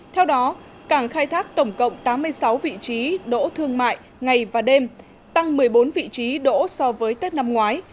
theo đó cảng khai thác tổng cộng tám mươi sáu vị trí đỗ thương mại ngày và đêm tăng một mươi bốn vị trí đỗ so với tết năm ngoái